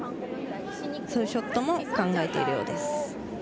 そういうショットも考えているようです。